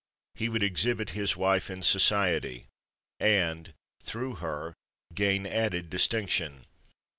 He would exhibit his wife in society, and, through her, gain added distinction.